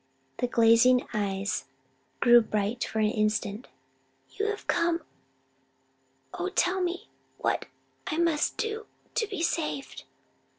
The glazing eyes grew bright for an instant. "You have come: oh tell me what I must do to be saved!"